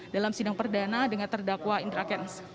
dalam sidang perdana dengan terdakwa indra kents